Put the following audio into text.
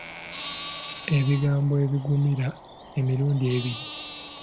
Ebigambo ebiggumira emirundi ebiri.